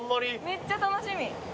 めっちゃ楽しみ。